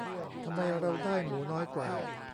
ทำไมเราได้หมูน้อยกว่า